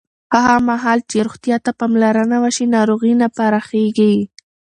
هغه مهال چې روغتیا ته پاملرنه وشي، ناروغۍ نه پراخېږي.